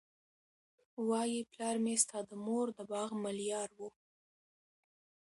وايي پلار مي ستا د مور د باغ ملیار وو